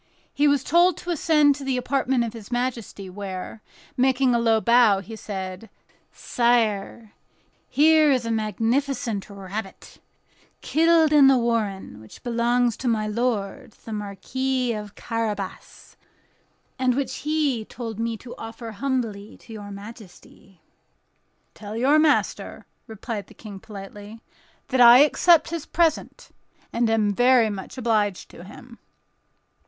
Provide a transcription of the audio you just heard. He was told to ascend to the apartment of his majesty, where, making a low bow, he said: "Sire, here is a magnificent rabbit, killed in the warren, which belongs to my lord the Marquis of Carabas, and which he told me to offer humbly to your majesty." "Tell your master," replied the King, politely, "that I accept his present, and am very much obliged to him."